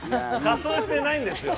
仮装してないんですよ。